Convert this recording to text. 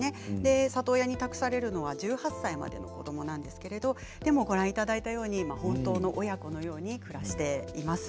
里親に託されるのは１８歳までの子どもなんですけれどご覧いただいたように本当の親子のように暮らしています。